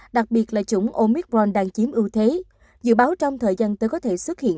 đặc biệt là chủng omicron đang chiếm ưu thế dự báo trong thời gian tới có thể xuất hiện